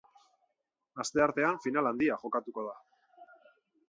Asteartean final handia jokatuko da.